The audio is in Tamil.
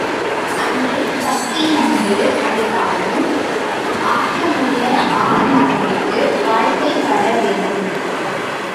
அன்று கட்டி அன்று அறுத்தாலும் ஆக்கமுள்ள ஆண் மகனுக்கு வாழ்க்கைப்பட வேண்டும்.